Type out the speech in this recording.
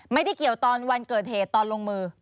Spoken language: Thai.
ไม่ได้เกี่ยวตอนวันเกิดเหตุตอนลงมือ